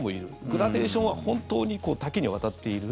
グラデーションは本当に多岐にわたっている。